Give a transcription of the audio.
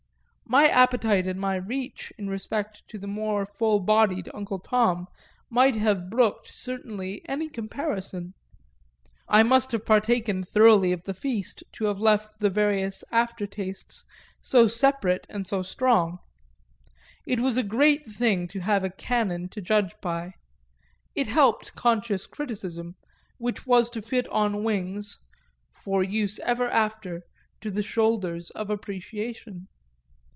My appetite and my reach in respect to the more full bodied Uncle Tom might have brooked certainly any comparison; I must have partaken thoroughly of the feast to have left the various aftertastes so separate and so strong. It was a great thing to have a canon to judge by it helped conscious criticism, which was to fit on wings (for use ever after) to the shoulders of appreciation.